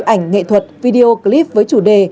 ảnh nghệ thuật video clip với chủ đề